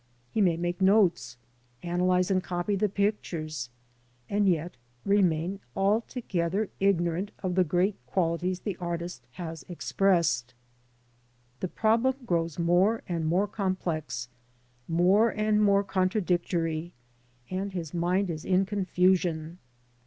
He may make notes, analyse and copy the pictures, and yet remain altogether ignorant of the great qualities the artist has expressed. The problem grows more and more complex, more and more contradictory, and his mind is in confusion.